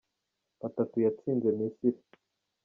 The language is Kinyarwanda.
batatu yatsinze Misiri.